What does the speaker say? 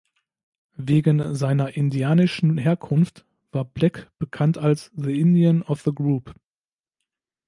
Wegen seiner indianischen Herkunft war Black bekannt als „The Indian of the Group“.